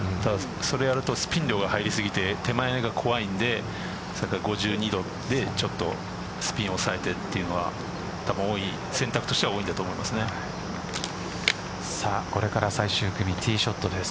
それをやるとスピンが入り過ぎて手前が怖いので５２度でちょっとスピンを押さえてというのは選択としてはこれから最終組ティーショットです。